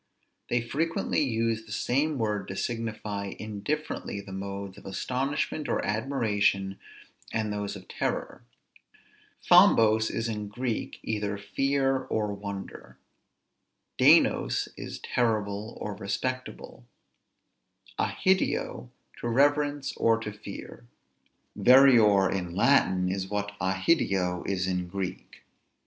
They frequently use the same word to signify indifferently the modes of astonishment or admiration and those of terror. [Greek: Thambos] is in Greek either fear or wonder; [Greek: deinos] is terrible or respectable; [Greek: ahideo], to reverence or to fear. Vereor in Latin is what [Greek: ahideo] is in Greek.